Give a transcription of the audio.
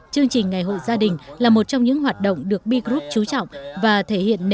chương trình ngày hội gia đình là một trong những hoạt động được b group trú trọng và thể hiện